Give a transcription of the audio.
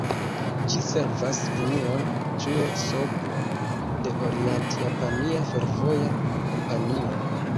Ĝi servas Linion Ĉuo-Sobu de Orient-Japania Fervoja Kompanio.